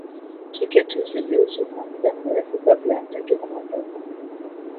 tiketi ziliuzwa kwa muda mrefu kabla ya ndege kuondoka